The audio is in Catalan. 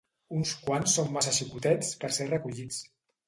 Uns quants són massa xicotets per ser recollits.